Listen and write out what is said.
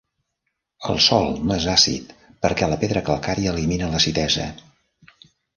El sòl no és àcid perquè la pedra calcària elimina l'acidesa.